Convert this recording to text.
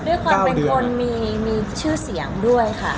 เป็นคนมีชื่อเสียงด้วยค่ะ